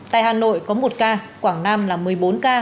tại hà nội có một ca quảng nam là một mươi bốn ca